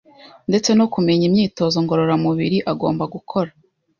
ndetse no kumenya imyitozo ngororamubiri agomba gukora